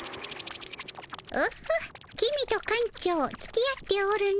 オホッ公と館長つきあっておるの。